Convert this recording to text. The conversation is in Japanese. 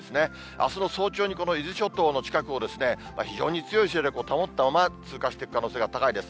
あすの早朝にこの伊豆諸島の近くを、非常に強い勢力を保ったまま、通過していく可能性が高いです。